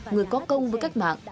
người có công với cách mạng